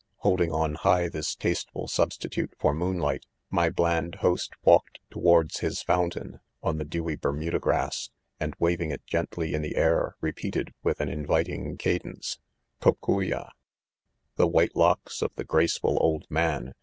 ./ Holding on high this tasteful substitute for moonlight, :myMan4iostrwalked towards his faun tain (on ■ the dewy 'Bermuda grass) and waving it .gently? in . the ■,air,. repeated with an anvil ing cadence " cocuya ' 5 The white locks of the graceful old man